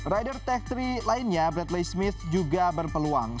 rider tech tiga lainnya bradley smith juga berpeluang